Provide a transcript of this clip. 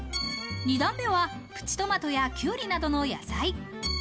２段目はプチトマトやキュウリなどの野菜。